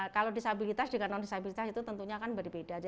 kalau disabilitas dengan non disabilitas itu tentunya kan berbeda